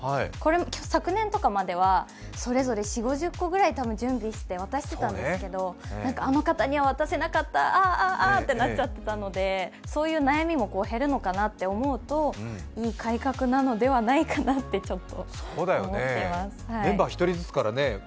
昨年とかまではそれぞれ４０５０個くらい渡してたんですけどあの方には渡せなかった、あ、あ、あとなっちゃってたので、そういう悩みも減るのかなと思うといい改革なのではないかなとちょっと思っています。